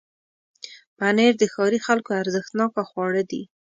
پنېر د ښاري خلکو ارزښتناکه خواړه دي.